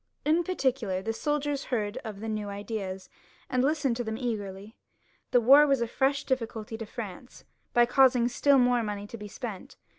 In particular, the soldiers heard of the new ideas, and listened to them eagerly. The war was a fresh difficulty to France, by causing still more money to be spent.